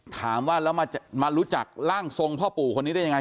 ถามว่าแล้วมารู้จักร่างทรงพ่อปู่คนนี้ได้ยังไง